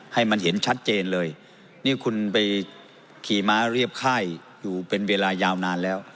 ให้มันเห็นชัดเจนเลยนี่คุณไปขี่ม้าเรียบค่ายอยู่เป็นเวลายาวนานแล้ว